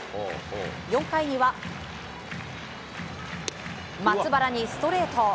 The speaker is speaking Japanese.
４回には、松原にストレート